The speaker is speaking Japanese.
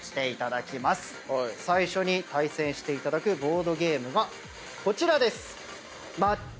最初に対戦していただくボードゲームがこちらです。